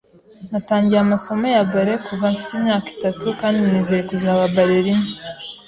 Natangiye amasomo ya ballet kuva mfite imyaka itatu kandi nizeye kuzaba ballerina.